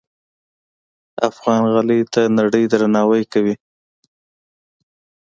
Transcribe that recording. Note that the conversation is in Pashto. افغان غالۍ ته نړۍ درناوی کوي.